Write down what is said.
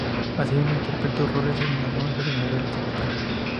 Asimismo interpretó roles en algunas telenovelas en español.